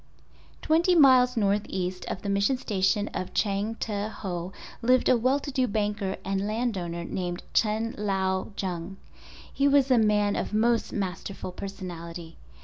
Twenty miles northeast of the Mission Station of Changteho lived a well to do banker and landowner named Chen Lao Jung. He was a man of most masterful personality.